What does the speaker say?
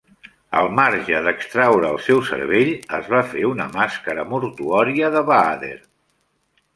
Al marge d'extraure el seu cervell, es va fer una màscara mortuòria de Baader.